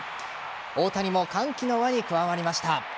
大谷も歓喜の輪に加わりました。